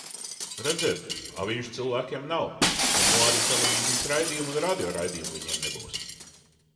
Redziet, avīžu cilvēkiem nav, un nu arī televīzijas raidījumu un radio raidījumu viņiem nebūs.